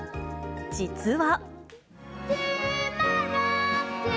実は。